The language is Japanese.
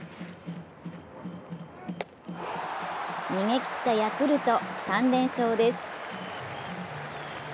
逃げきったヤクルト、３連勝です。